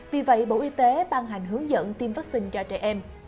vì vậy bộ y tế ban hành hướng dẫn tiêm vắc xin cho trẻ em